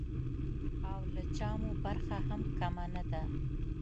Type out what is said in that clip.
او له چا مو برخه هم کمه نه ده.